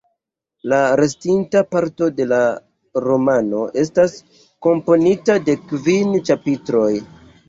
La restinta parto de la romano estas komponita de kvin ĉapitroj.